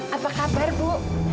apa kabar bu